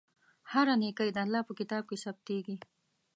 هره نېکۍ د الله په کتاب کې ثبتېږي.